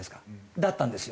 だったんですよ。